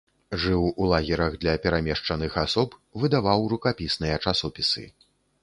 Жыў у лагерах для перамешчаных асоб, выдаваў рукапісныя часопісы.